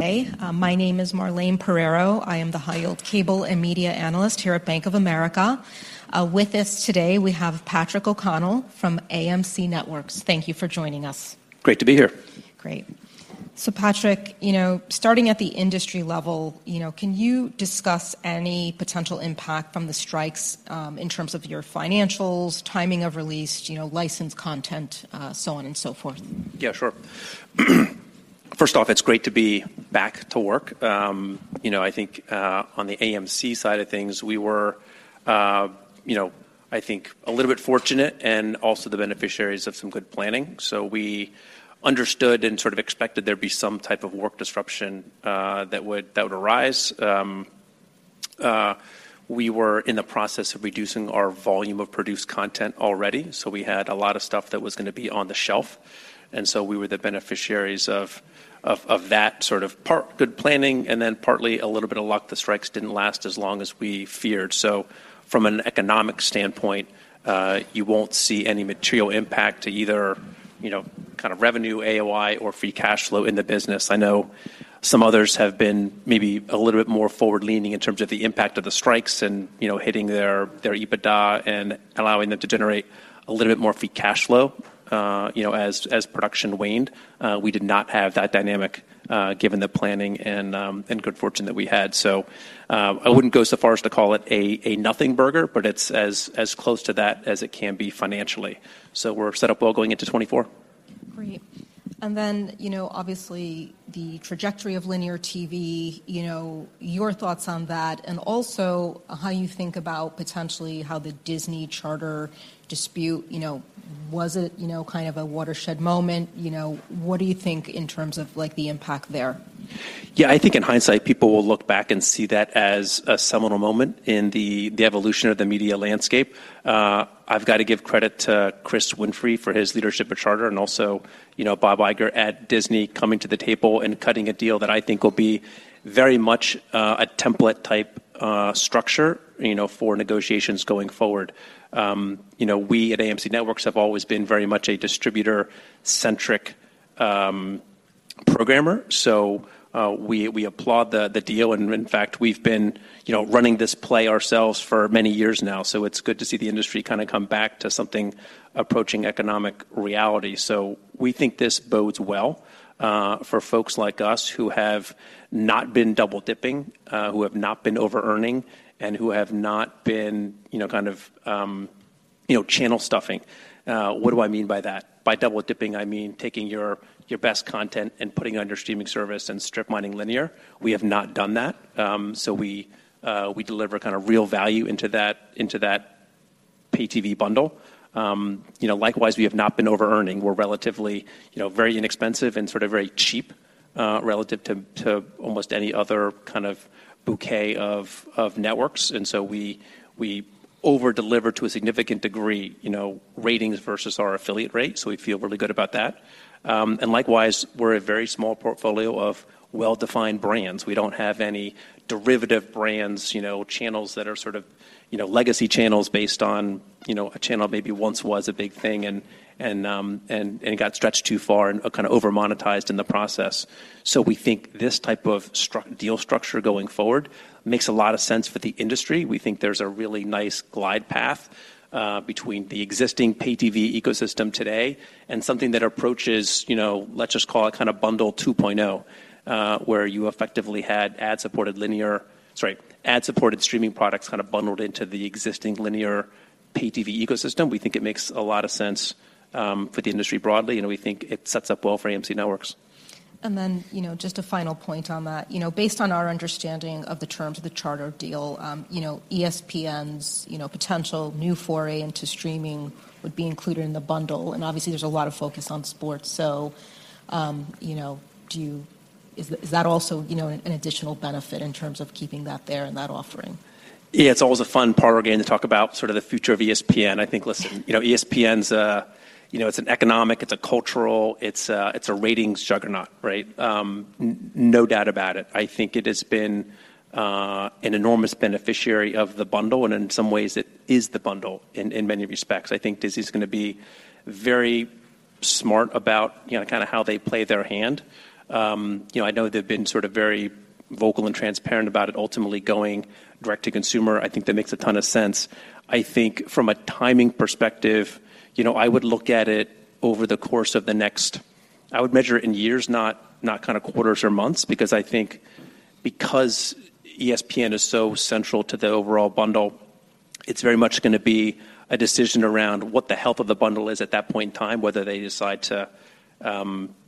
Hey, my name is Marlane Pereiro. I am the High-Yield Cable Media Analyst here at Bank of America. With us today, we have Patrick O'Connell from AMC Networks. Thank you for joining us. Great to be here. Great. So Patrick, you know, starting at the industry level, you know, can you discuss any potential impact from the strikes, in terms of your financials, timing of release, you know, licensed content, so on and so forth? Yeah, sure. First off, it's great to be back to work. You know, I think on the AMC side of things, we were, you know, I think a little bit fortunate and also the beneficiaries of some good planning. So we understood and sort of expected there'd be some type of work disruption that would arise. We were in the process of reducing our volume of produced content already, so we had a lot of stuff that was gonna be on the shelf, and so we were the beneficiaries of that sort of part good planning and then partly a little bit of luck. The strikes didn't last as long as we feared. So from an economic standpoint, you won't see any material impact to either, you know, kind of revenue, AOI, or free cash flow in the business. I know some others have been maybe a little bit more forward-leaning in terms of the impact of the strikes and, you know, hitting their EBITDA and allowing them to generate a little bit more free cash flow, as production waned. We did not have that dynamic, given the planning and good fortune that we had. So, I wouldn't go so far as to call it a nothing burger, but it's as close to that as it can be financially. So we're set up well going into 2024. Great. And then, you know, obviously, the trajectory of linear TV, you know, your thoughts on that, and also how you think about potentially how the Disney-Charter dispute, you know, was it, you know, kind of a watershed moment? You know, what do you think in terms of, like, the impact there? Yeah, I think in hindsight, people will look back and see that as a seminal moment in the evolution of the media landscape. I've got to give credit to Chris Winfrey for his leadership at Charter, and also, you know, Bob Iger at Disney, coming to the table and cutting a deal that I think will be very much a template-type structure, you know, for negotiations going forward. You know, we at AMC Networks have always been very much a distributor-centric programmer, so we applaud the deal, and in fact, we've been, you know, running this play ourselves for many years now, so it's good to see the industry kinda come back to something approaching economic reality. So we think this bodes well for folks like us who have not been double-dipping, who have not been overearning, and who have not been, you know, kind of channel stuffing. What do I mean by that? By double-dipping, I mean taking your best content and putting it on your streaming service and strip mining linear. We have not done that. So we deliver kinda real value into that pay TV bundle. You know, likewise, we have not been overearning. We're relatively, you know, very inexpensive and sort of very cheap, relative to almost any other kind of bouquet of networks, and so we over-deliver to a significant degree, you know, ratings versus our affiliate rate, so we feel really good about that. And likewise, we're a very small portfolio of well-defined brands. We don't have any derivative brands, you know, channels that are sort of, you know, legacy channels based on, you know, a channel that maybe once was a big thing and it got stretched too far and kind of over-monetized in the process. So we think this type of deal structure going forward makes a lot of sense for the industry. We think there's a really nice glide path between the existing pay TV ecosystem today and something that approaches, you know, let's just call it kinda Bundle 2.0, where you effectively had ad-supported linear... Sorry, ad-supported streaming products kinda bundled into the existing linear pay TV ecosystem. We think it makes a lot of sense, for the industry broadly, and we think it sets up well for AMC Networks. And then, you know, just a final point on that. You know, based on our understanding of the terms of the Charter deal, you know, ESPN's, you know, potential new foray into streaming would be included in the bundle, and obviously, there's a lot of focus on sports. So, you know, is that also, you know, an additional benefit in terms of keeping that there in that offering? Yeah, it's always a fun parlor game to talk about sort of the future of ESPN. I think, listen, you know, ESPN's, you know, it's an economic, it's a cultural, it's a, it's a ratings juggernaut, right? No doubt about it. I think it has been an enormous beneficiary of the bundle, and in some ways, it is the bundle in, in many respects. I think Disney's gonna be very smart about, you know, kinda how they play their hand. You know, I know they've been sort of very vocal and transparent about it ultimately going direct to consumer. I think that makes a ton of sense. I think from a timing perspective, you know, I would look at it over the course of the next—I would measure it in years, not, not kinda quarters or months, because I think because ESPN is so central to the overall bundle, it's very much gonna be a decision around what the health of the bundle is at that point in time, whether they decide to,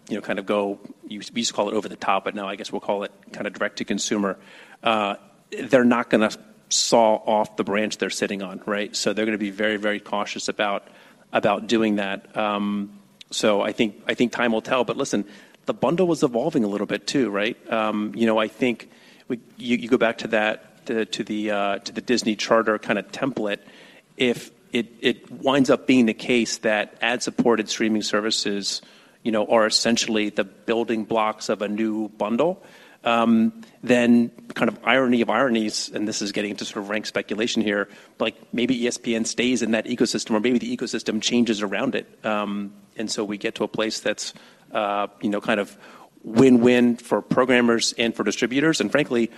you know, kind of go, we used to call it over-the-top, but now I guess we'll call it kinda direct to consumer. They're not gonna saw off the branch they're sitting on, right? So they're gonna be very, very cautious about, about doing that. So I think, I think time will tell. But listen, the bundle was evolving a little bit too, right? You know, I think you go back to that, to the Disney-Charter kinda template, if it winds up being the case that ad-supported streaming services, you know, are essentially the building blocks of a new bundle, then kind of irony of ironies, and this is getting into sort of ranked speculation here, like, maybe ESPN stays in that ecosystem, or maybe the ecosystem changes around it. And so we get to a place that's, you know, kind of win-win for programmers and for distributors, and frankly,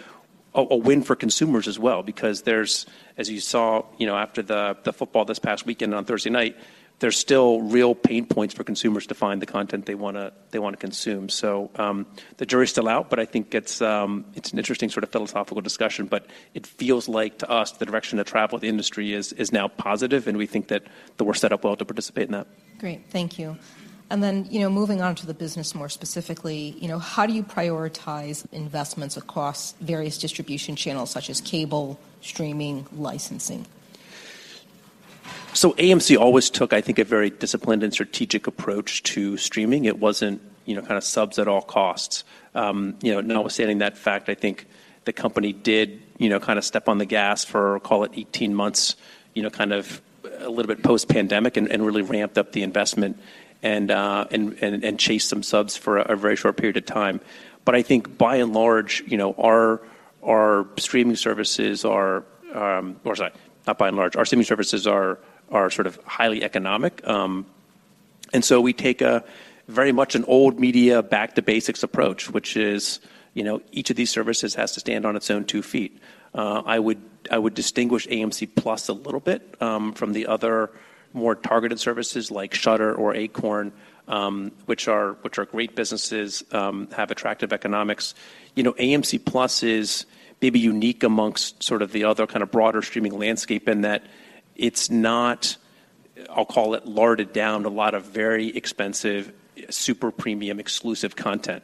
a win for consumers as well, because there's, as you saw, you know, after the football this past weekend on Thursday night, there's still real pain points for consumers to find the content they wanna consume. So, the jury's still out, but I think it's an interesting sort of philosophical discussion. But it feels like, to us, the direction of travel of the industry is now positive, and we think that we're set up well to participate in that. Great. Thank you. And then, you know, moving on to the business more specifically, you know, how do you prioritize investments across various distribution channels such as cable, streaming, licensing? So AMC always took, I think, a very disciplined and strategic approach to streaming. It wasn't, you know, kinda subs at all costs. You know, notwithstanding that fact, I think the company did, you know, kinda step on the gas for, call it 18 months, you know, kind of a little bit post-pandemic, and chased some subs for a very short period of time. But I think by and large, you know, our streaming services are, or sorry, not by and large, our streaming services are sort of highly economic. And so we take a very much an old media back-to-basics approach, which is, you know, each of these services has to stand on its own two feet. I would distinguish AMC+ a little bit from the other more targeted services like Shudder or Acorn, which are great businesses, have attractive economics. You know, AMC+ is maybe unique amongst sort of the other kinda broader streaming landscape in that it's not, I'll call it, larded down a lot of very expensive, super premium, exclusive content,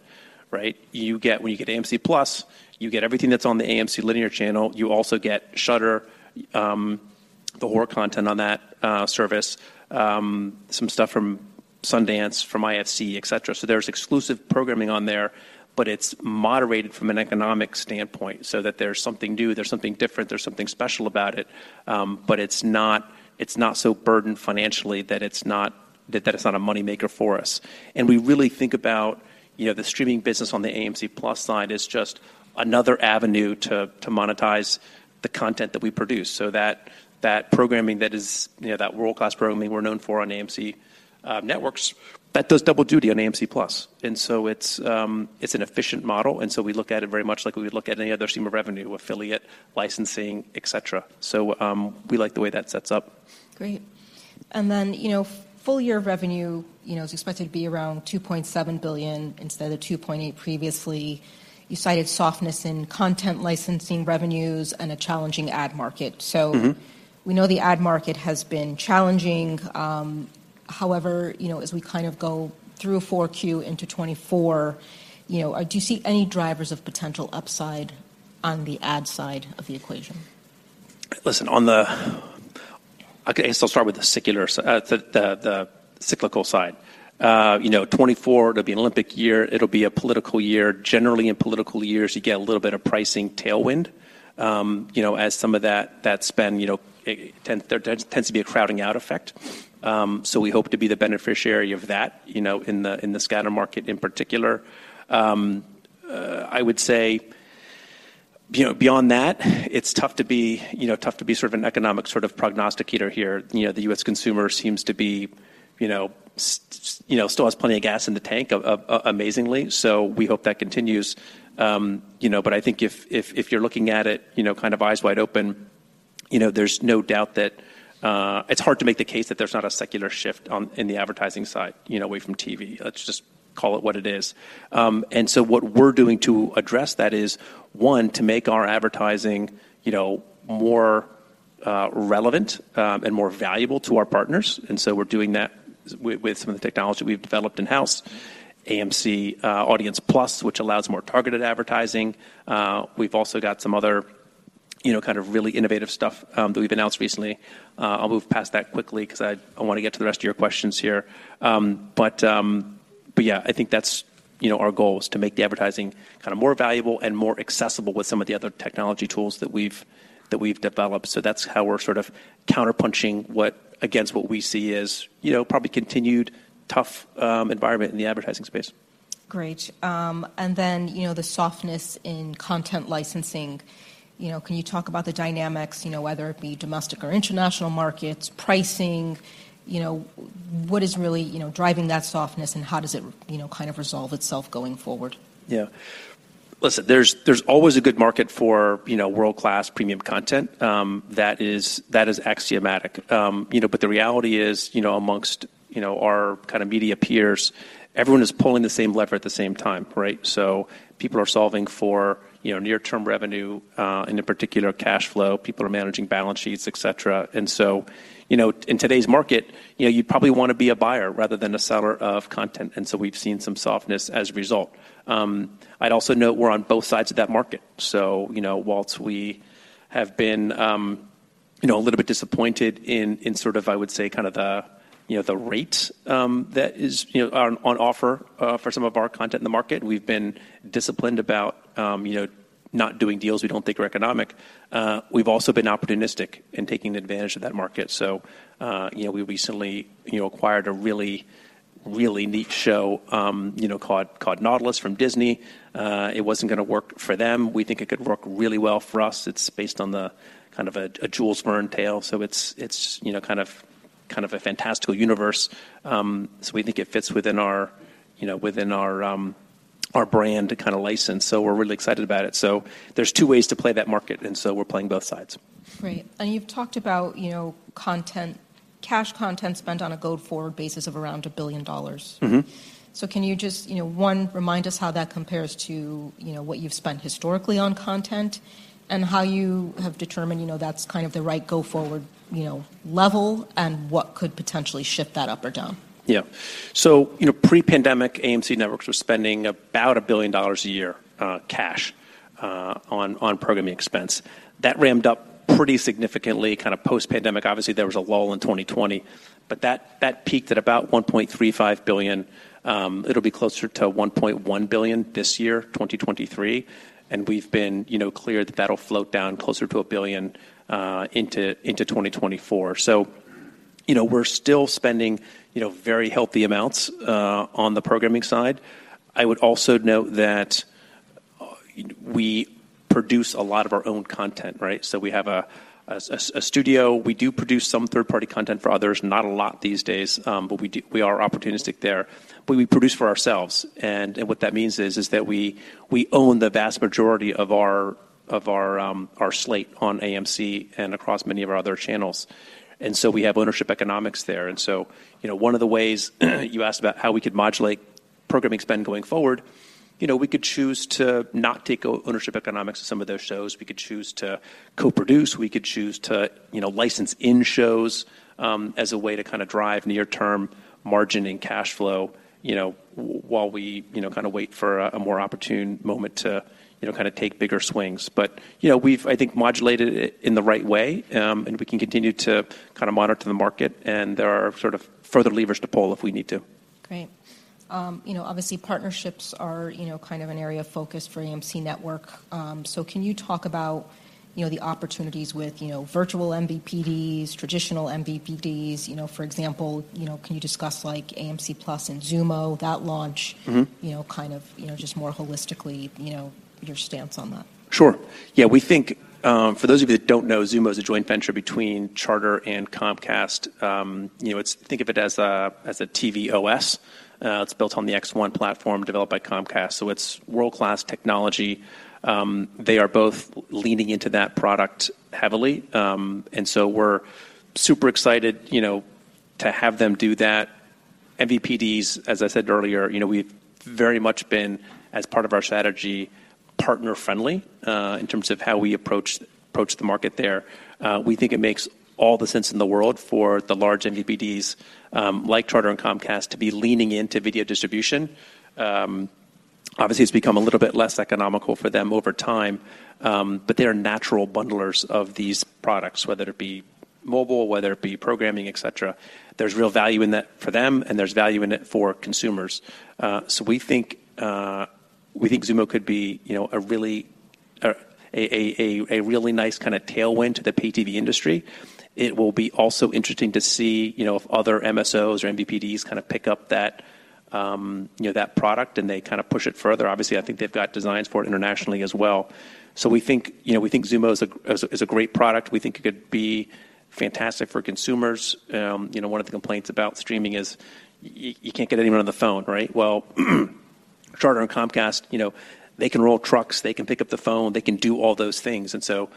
right? You get. When you get AMC+, you get everything that's on the AMC linear channel. You also get Shudder, the horror content on that service, some stuff from Sundance, from IFC, etcetera. So there's exclusive programming on there, but it's moderated from an economic standpoint so that there's something new, there's something different, there's something special about it, but it's not so burdened financially that it's not a moneymaker for us. And we really think about, you know, the streaming business on the AMC+ side as just another avenue to monetize the content that we produce. So that programming that is, you know, that world-class programming we're known for on AMC Networks, that does double duty on AMC+. And so it's an efficient model, and so we look at it very much like we would look at any other stream of revenue: affiliate, licensing, etcetera. So, we like the way that sets up. Great. And then, you know, full-year revenue, you know, is expected to be around $2.7 billion instead of $2.8 billion previously. You cited softness in content licensing revenues and a challenging ad market. Mm-hmm. So we know the ad market has been challenging. However, you know, as we kind of go through 4Q into 2024, you know, do you see any drivers of potential upside on the ad side of the equation? Listen, on the, I guess I'll start with the secular, the cyclical side. You know, 2024, it'll be an Olympic year, it'll be a political year. Generally, in political years, you get a little bit of pricing tailwind, you know, as some of that spend, you know, there tends to be a crowding out effect. So we hope to be the beneficiary of that, you know, in the scatter market in particular. I would say, you know, beyond that, it's tough to be, you know, tough to be sort of an economic sort of prognosticator here. You know, the U.S. consumer seems to be, you know, still has plenty of gas in the tank, amazingly, so we hope that continues. You know, but I think if you're looking at it, you know, kind of eyes wide open, you know, there's no doubt that it's hard to make the case that there's not a secular shift in the advertising side, you know, away from TV. Let's just call it what it is. And so what we're doing to address that is, one, to make our advertising, you know, more relevant, and more valuable to our partners, and so we're doing that with some of the technology we've developed in-house, AMC Audience+, which allows more targeted advertising. We've also got some other, you know, kind of really innovative stuff that we've announced recently. I'll move past that quickly because I want to get to the rest of your questions here. But yeah, I think that's, you know, our goal is to make the advertising kind of more valuable and more accessible with some of the other technology tools that we've developed. So that's how we're sort of counterpunching against what we see as, you know, probably continued tough environment in the advertising space. Great. And then, you know, the softness in content licensing, you know, can you talk about the dynamics, you know, whether it be domestic or international markets, pricing? You know, what is really, you know, driving that softness, and how does it, you know, kind of resolve itself going forward? Yeah. Listen, there's always a good market for, you know, world-class premium content. That is axiomatic. You know, but the reality is, you know, among our kinda media peers, everyone is pulling the same lever at the same time, right? So people are solving for, you know, near-term revenue, and in particular, cash flow. People are managing balance sheets, etcetera. And so, you know, in today's market, you know, you'd probably wanna be a buyer rather than a seller of content, and so we've seen some softness as a result. I'd also note we're on both sides of that market. So, you know, whilst we have been, you know, a little bit disappointed in sort of, I would say, kind of the, you know, the rate that is, you know, on offer for some of our content in the market, we've been disciplined about, you know, not doing deals we don't think are economic. We've also been opportunistic in taking advantage of that market. So, you know, we recently, you know, acquired a really, really neat show, you know, called Nautilus from Disney. It wasn't gonna work for them. We think it could work really well for us. It's based on the kind of a Jules Verne tale, so it's you know kind of a fantastical universe. So we think it fits within our, you know, our brand to kind of license. So we're really excited about it. So there's two ways to play that market, and so we're playing both sides. Great. You've talked about, you know, cash content spent on a go-forward basis of around $1 billion. Mm-hmm. So can you just, you know, remind us how that compares to, you know, what you've spent historically on content? And how you have determined, you know, that's kind of the right go-forward, you know, level, and what could potentially shift that up or down? Yeah. So, you know, pre-pandemic, AMC Networks was spending about $1 billion a year, cash, on programming expense. That ramped up pretty significantly, kind of post-pandemic. Obviously, there was a lull in 2020, but that peaked at about $1.35 billion. It'll be closer to $1.1 billion this year, 2023, and we've been, you know, clear that that'll float down closer to $1 billion, into 2024. So, you know, we're still spending, you know, very healthy amounts, on the programming side. I would also note that, we produce a lot of our own content, right? So we have a studio. We do produce some third-party content for others, not a lot these days, but we do—we are opportunistic there. But we produce for ourselves, and, and what that means is, is that we, we own the vast majority of our, of our, our slate on AMC and across many of our other channels. And so we have ownership economics there. And so, you know, one of the ways you asked about how we could modulate programming spend going forward, you know, we could choose to not take ownership economics of some of those shows. We could choose to co-produce, we could choose to, you know, license in shows, as a way to kind of drive near-term margin and cash flow, you know, while we, you know, kind of wait for a, a more opportune moment to, you know, kind of take bigger swings. But, you know, we've, I think, modulated it in the right way, and we can continue to kind of monitor the market, and there are sort of further levers to pull if we need to. Great. You know, obviously, partnerships are, you know, kind of an area of focus for AMC Networks. So can you talk about, you know, the opportunities with, you know, virtual MVPDs, traditional MVPDs? You know, for example, you know, can you discuss, like, AMC+ and Xumo, that launch- Mm-hmm... you know, kind of, you know, just more holistically, you know, your stance on that? Sure. Yeah, we think, for those of you that don't know, Xumo is a joint venture between Charter and Comcast. You know, it's, think of it as a tvOS. It's built on the X1 platform developed by Comcast, so it's world-class technology. They are both leaning into that product heavily. And so we're super excited, you know, to have them do that. MVPDs, as I said earlier, you know, we've very much been, as part of our strategy, partner-friendly, in terms of how we approach the market there. We think it makes all the sense in the world for the large MVPDs, like Charter and Comcast, to be leaning into video distribution. Obviously, it's become a little bit less economical for them over time, but they are natural bundlers of these products, whether it be mobile, whether it be programming, et cetera. There's real value in that for them, and there's value in it for consumers. So we think we think Xumo could be, you know, a really nice kind of tailwind to the pay TV industry. It will be also interesting to see, you know, if other MSOs or MVPDs kind of pick up that, you know, that product, and they kind of push it further. Obviously, I think they've got designs for it internationally as well. So we think, you know, we think Xumo is a great product. We think it could be fantastic for consumers. You know, one of the complaints about streaming is you can't get anyone on the phone, right? Well, Charter and Comcast, you know, they can roll trucks, they can pick up the phone, they can do all those things. And so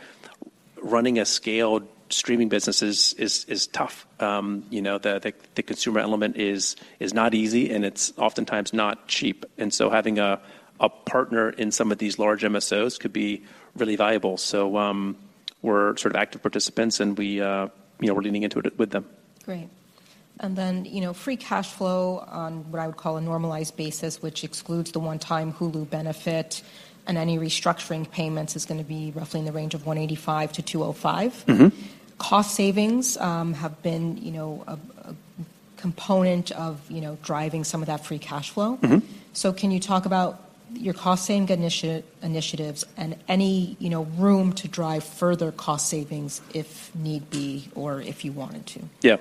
running a scaled streaming business is tough. You know, the consumer element is not easy, and it's oftentimes not cheap. And so having a partner in some of these large MSOs could be really valuable. So, we're sort of active participants, and we, you know, we're leaning into it with them. Great. And then, you know, free cash flow on what I would call a normalized basis, which excludes the one-time Hulu benefit and any restructuring payments, is gonna be roughly in the range of $185 million-$205 million. Mm-hmm. Cost savings have been, you know, a component of, you know, driving some of that free cash flow. Mm-hmm. So can you talk about your cost-saving initiatives and any, you know, room to drive further cost savings, if need be, or if you wanted to? Yeah.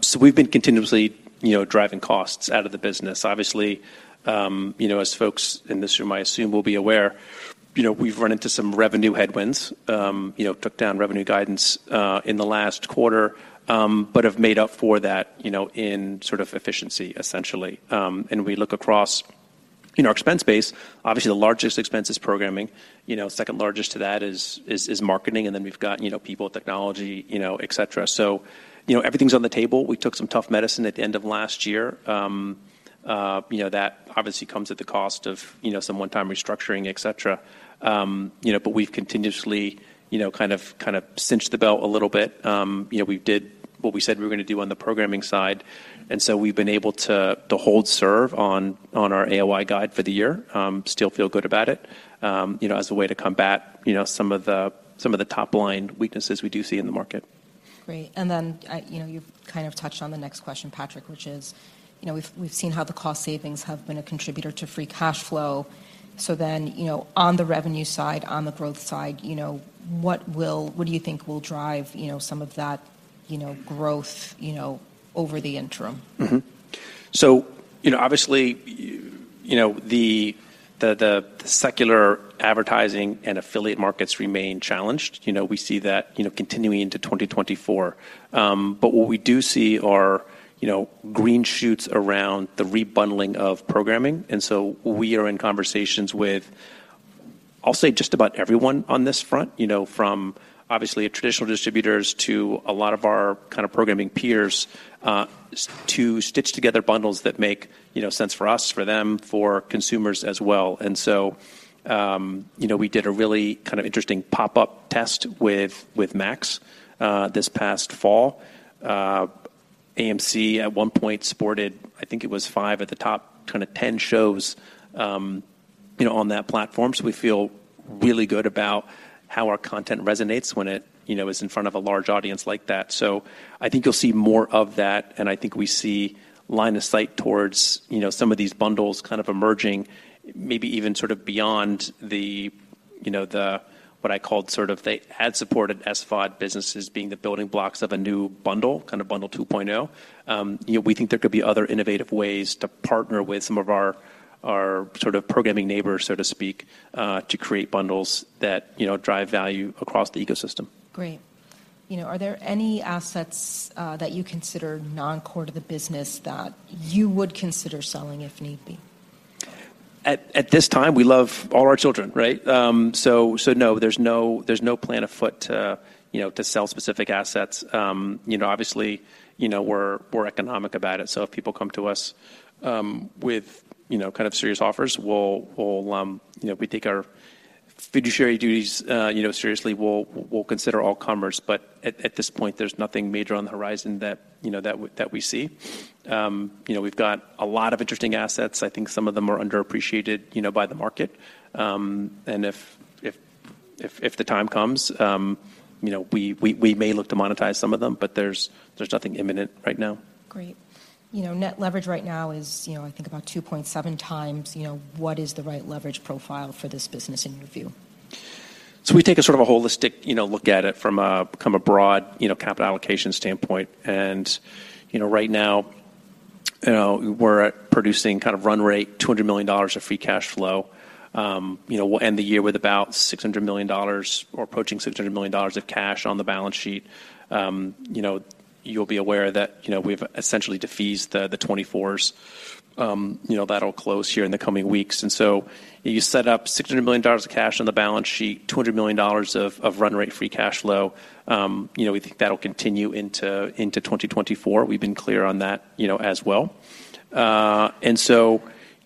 So we've been continuously, you know, driving costs out of the business. Obviously, you know, as folks in this room, I assume, will be aware, you know, we've run into some revenue headwinds. You know, took down revenue guidance in the last quarter, but have made up for that, you know, in sort of efficiency, essentially. And we look across, you know, our expense base. Obviously, the largest expense is programming. You know, second largest to that is marketing, and then we've got, you know, people, technology, you know, et cetera. So, you know, everything's on the table. We took some tough medicine at the end of last year. You know, that obviously comes at the cost of, you know, some one-time restructuring, et cetera. you know, but we've continuously, you know, kind of, kind of cinched the belt a little bit. you know, we did what we said we were gonna do on the programming side, and so we've been able to, to hold serve on, on our AOI guide for the year. still feel good about it, you know, as a way to combat, you know, some of the, some of the top-line weaknesses we do see in the market. Great. And then, you know, you've kind of touched on the next question, Patrick, which is, you know, we've, we've seen how the cost savings have been a contributor to free cash flow. So then, you know, on the revenue side, on the growth side, you know, what will, what do you think will drive, you know, some of that, you know, growth, you know, over the interim? Mm-hmm. So, you know, obviously, you know, the secular advertising and affiliate markets remain challenged. You know, we see that, you know, continuing into 2024. But what we do see are, you know, green shoots around the rebundling of programming, and so we are in conversations with, I'll say, just about everyone on this front, you know, from obviously traditional distributors to a lot of our kind of programming peers, to stitch together bundles that make, you know, sense for us, for them, for consumers as well. And so, you know, we did a really kind of interesting pop-up test with Max, this past fall. AMC at one point sported, I think it was five of the top 10 shows, you know, on that platform. So we feel really good about how our content resonates when it, you know, is in front of a large audience like that. So I think you'll see more of that, and I think we see line of sight towards, you know, some of these bundles kind of emerging, maybe even sort of beyond the, you know, the, what I called sort of the ad-supported SVOD businesses being the building blocks of a new bundle, kind of bundle 2.0. You know, we think there could be other innovative ways to partner with some of our, our sort of programming neighbors, so to speak, to create bundles that, you know, drive value across the ecosystem. Great. You know, are there any assets that you consider non-core to the business that you would consider selling if need be? At this time, we love all our children, right? So no, there's no plan afoot to, you know, to sell specific assets. You know, obviously, you know, we're economic about it, so if people come to us with, you know, kind of serious offers, we'll consider all comers, but at this point, there's nothing major on the horizon that, you know, that we see. You know, we've got a lot of interesting assets. I think some of them are underappreciated, you know, by the market. And if the time comes, you know, we may look to monetize some of them, but there's nothing imminent right now. Great. You know, net leverage right now is, you know, I think about 2.7 times. You know, what is the right leverage profile for this business in your view? So we take a sort of a holistic, you know, look at it from a, from a broad, you know, capital allocation standpoint. You know, right now, you know, we're producing kind of run rate $200 million of free cash flow. You know, we'll end the year with about $600 million or approaching $600 million of cash on the balance sheet. You know, you'll be aware that, you know, we've essentially defeased the 2024s. You know, that'll close here in the coming weeks. And so you set up $600 million of cash on the balance sheet, $200 million of run rate free cash flow. You know, we think that'll continue into 2024. We've been clear on that, you know, as well. And so,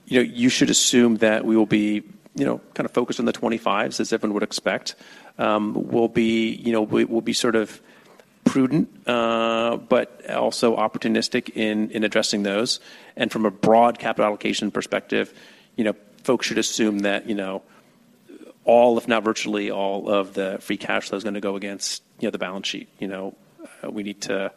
you know, you should assume that we will be, you know, kind of focused on the 25s, as everyone would expect. We'll be, you know, we'll be sort of prudent, but also opportunistic in addressing those. And from a broad capital allocation perspective, you know, folks should assume that, you know, all, if not virtually all of the free cash flow is gonna go against, you know, the balance sheet. You know, we need to,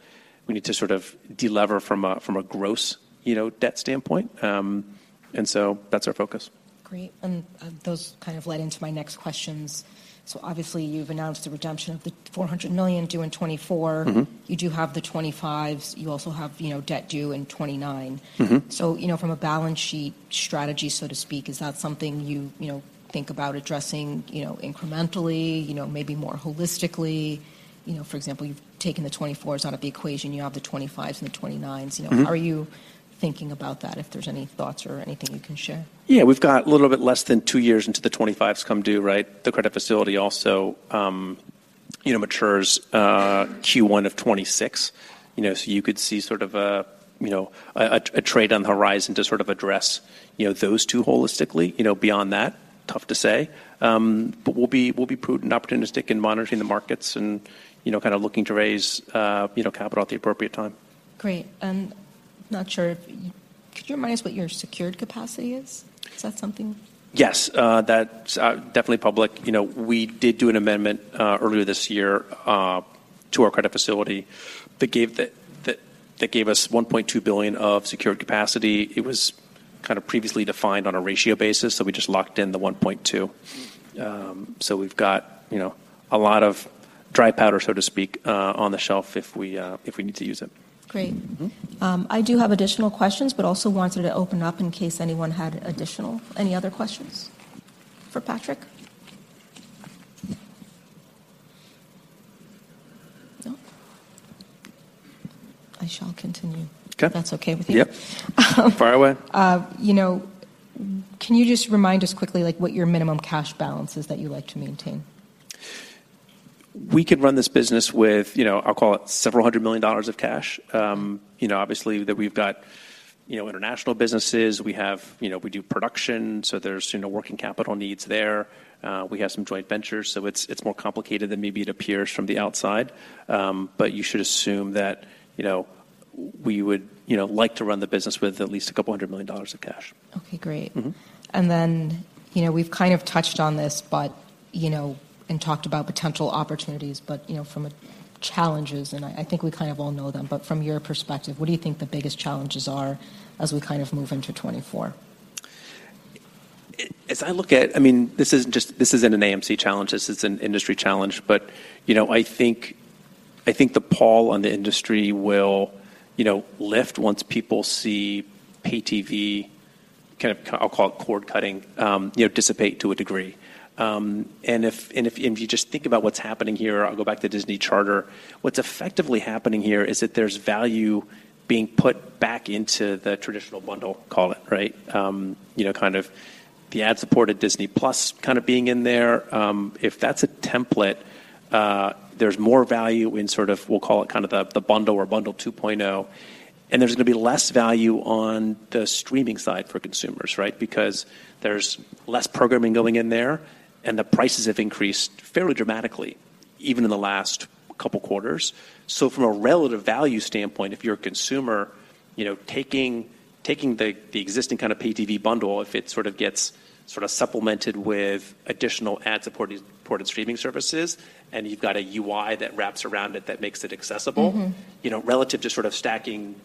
we need to sort of de-lever from a gross, you know, debt standpoint. And so that's our focus. Great, and those kind of led into my next questions. So obviously, you've announced the redemption of the $400 million due in 2024. Mm-hmm. You do have the 25s. You also have, you know, debt due in 29. Mm-hmm. So, you know, from a balance sheet strategy, so to speak, is that something you, you know, think about addressing, you know, incrementally, you know, maybe more holistically? You know, for example, you've taken the 2024s out of the equation. You have the 2025s and the 2029s. Mm-hmm. How are you thinking about that, if there's any thoughts or anything you can share? Yeah, we've got a little bit less than two years until the 25s come due, right? The credit facility also, you know, matures, Q1 of 2026. You know, so you could see sort of a trade on the horizon to sort of address, you know, those two holistically. You know, beyond that, tough to say. But we'll be, we'll be prudent and opportunistic in monitoring the markets and, you know, kind of looking to raise, you know, capital at the appropriate time. Could you remind us what your secured capacity is? Is that something- Yes. That's definitely public. You know, we did do an amendment earlier this year to our credit facility that gave us $1.2 billion of secured capacity. It was kind of previously defined on a ratio basis, so we just locked in the $1.2 billion. So we've got, you know, a lot of dry powder, so to speak, on the shelf if we need to use it. Great. Mm-hmm. I do have additional questions, but also wanted to open up in case anyone had additional. Any other questions for Patrick? No? I shall continue- Okay. If that's okay with you. Yep. Fire away. you know, can you just remind us quickly, like, what your minimum cash balance is that you like to maintain? We could run this business with, you know, I'll call it several hundred million of dollar cash. You know, obviously, that we've got, you know, international businesses. We have, you know, we do production, so there's, you know, working capital needs there. We have some joint ventures, so it's more complicated than maybe it appears from the outside. But you should assume that, you know, we would, you know, like to run the business with at least a couple of hundred million of dollar of cash. Okay, great. Mm-hmm. Then, you know, we've kind of touched on this, but, you know, and talked about potential opportunities, but, you know, from a challenges, and I, I think we kind of all know them, but from your perspective, what do you think the biggest challenges are as we kind of move into 2024? As I look at, I mean, this isn't just, this isn't an AMC challenge, this is an industry challenge. But, you know, I think, I think the pall on the industry will, you know, lift once people see pay TV, kind of, I'll call it cord-cutting, you know, dissipate to a degree. And if, and if, and if you just think about what's happening here, I'll go back to Disney Charter. What's effectively happening here is that there's value being put back into the traditional bundle, call it, right? You know, kind of the ad-supported Disney+ kind of being in there. If that's a template, there's more value in sort of, we'll call it kind of the, the bundle or bundle 2.0, and there's going to be less value on the streaming side for consumers, right? Because there's less programming going in there, and the prices have increased fairly dramatically, even in the last couple quarters. So from a relative value standpoint, if you're a consumer, you know, taking the existing kind of pay TV bundle, if it sort of gets supplemented with additional ad-supported streaming services, and you've got a UI that wraps around it, that makes it accessible- Mm-hmm. You know, relative to sort of stacking,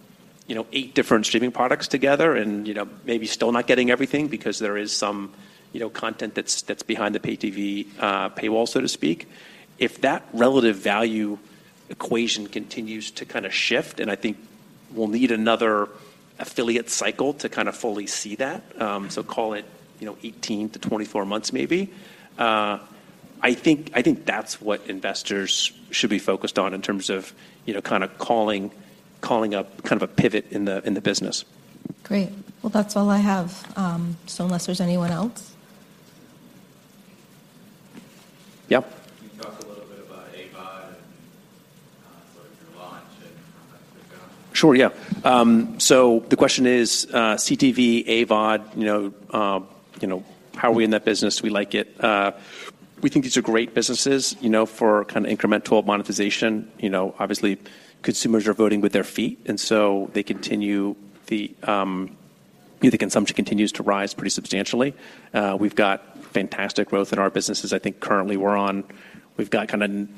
you know, eight different streaming products together and, you know, maybe still not getting everything because there is some, you know, content that's behind the pay TV paywall, so to speak. If that relative value equation continues to kind of shift, and I think we'll need another affiliate cycle to kind of fully see that, so call it, you know, 18-24 months maybe. I think that's what investors should be focused on in terms of, you know, kind of calling up kind of a pivot in the business. Great. Well, that's all I have. So unless there's anyone else? Yep. Can you talk a little bit about AVOD and, sort of your launch and how that's been going? Sure, yeah. So the question is, CTV, AVOD, you know, you know, how are we in that business? We like it. We think these are great businesses, you know, for kind of incremental monetization. You know, obviously, consumers are voting with their feet, and so they continue the... The consumption continues to rise pretty substantially. We've got fantastic growth in our businesses. I think currently we've got kind of,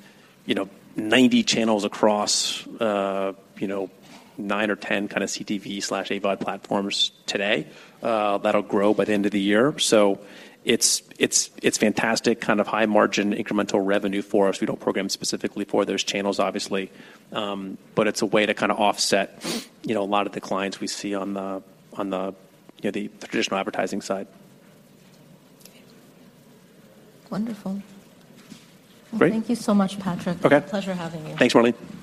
you know, 90 channels across, you know, nine or 10 kind of CTV/AVOD platforms today. That'll grow by the end of the year. So it's fantastic, kind of high margin, incremental revenue for us. We don't program specifically for those channels, obviously. But it's a way to kind of offset, you know, a lot of declines we see on the, you know, the traditional advertising side. Wonderful. Great. Thank you so much, Patrick. Okay. Pleasure having you. Thanks, Marlene.